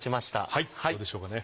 はいどうでしょうかね？